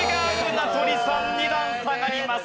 名取さん２段下がります。